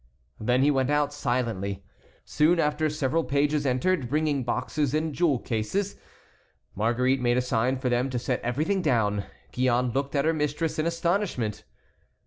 Then he went out silently. Soon after several pages entered, bringing boxes and jewel caskets. Marguerite made a sign for them to set everything down. Gillonne looked at her mistress in astonishment.